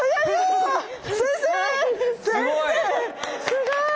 すごい！